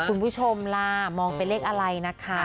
คุณผู้ชมล่ะมองเป็นเลขอะไรนะคะ